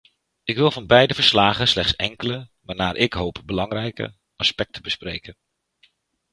Ik wil van beide verslagen slechts enkele, maar naar ik hoop belangrijke, aspecten bespreken.